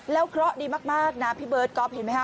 แล้วเคราะห์ดีมากนะพี่เบิร์ชกอล์ฟเห็นมั้ยค่ะ